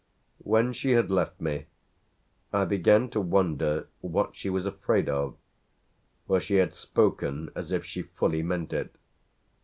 When she had left me I began to wonder what she was afraid of, for she had spoken as if she fully meant it.